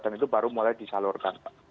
dan itu baru mulai disalurkan